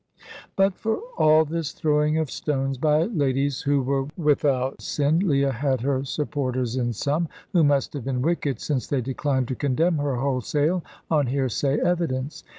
But for all this throwing of stones by ladies who were without sin, Leah had her supporters in some, who must have been wicked, since they declined to condemn her wholesale on hearsay evidence.